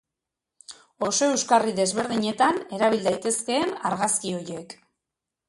Oso euskarri desberdinetan erabil daitezkeen argazki horiek.